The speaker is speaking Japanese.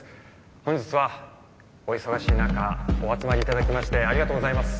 本日はお忙しい中お集まりいただきましてありがとうございます・